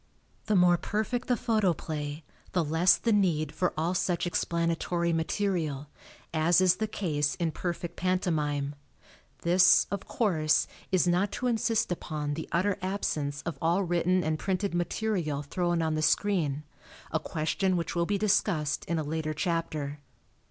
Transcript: The more perfect the photoplay, the less the need for all such explanatory material, as is the case in perfect pantomime. This, of course, is not to insist upon the utter absence of all written and printed material thrown on the screen a question which will be discussed in a later chapter.